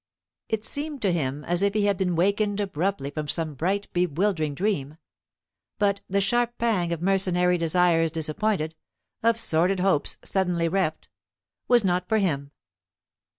It seemed to him as if he had been wakened abruptly from some bright bewildering dream; but the sharp pang of mercenary desires disappointed, of sordid hopes suddenly reft, was not for him.